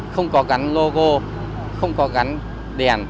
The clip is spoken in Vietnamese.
không có gắn logo không có gắn đèn